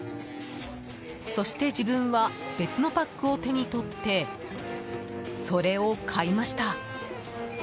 そして自分は別のパックを手に取って、それを買いました。